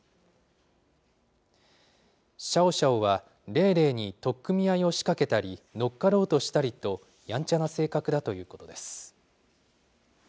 シャオシャオはレイレイに取っ組み合いを仕掛けたり、乗っかろうとしたりと、やんちゃな性格だということです。